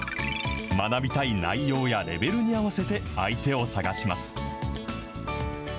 学びたい内容やレベルに合わせて相手を探します。